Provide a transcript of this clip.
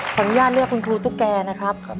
ขออนุญาตเลือกคุณครูตุ๊กแก่นะครับ